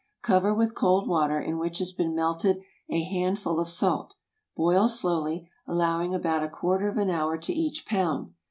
Cover with cold water in which has been melted a handful of salt. Boil slowly, allowing about a quarter of an hour to each pound.